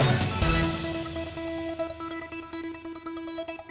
tidak ada ber pengalaman juga